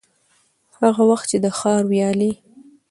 هغه وخت چي د ښار ويالې،